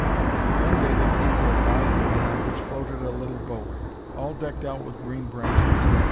One day they came to a wide river on which floated a little boat, all decked out with green branches.